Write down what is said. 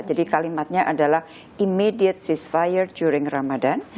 jadi kalimatnya adalah immediate ceasefire during ramadan